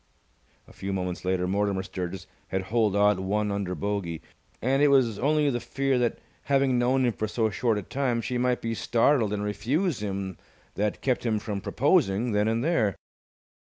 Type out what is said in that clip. A few moments later Mortimer Sturgis had holed out one under bogey, and it was only the fear that, having known him for so short a time, she might be startled and refuse him that kept him from proposing then and there.